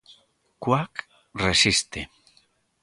Cuac, resiste.